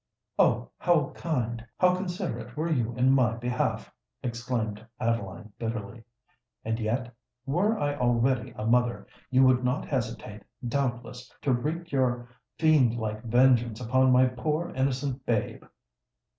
"Oh! how kind—how considerate were you in my behalf!" exclaimed Adeline, bitterly: "and yet—were I already a mother—you would not hesitate, doubtless, to wreak your fiend like vengeance upon my poor innocent babe."